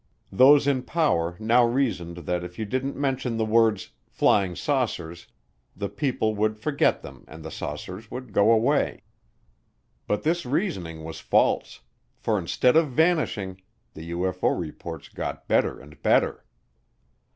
Those in power now reasoned that if you didn't mention the words "flying saucers" the people would forget them and the saucers would go away. But this reasoning was false, for instead of vanishing, the UFO reports got better and better.